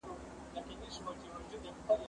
کېدای سي وخت لنډ وي!!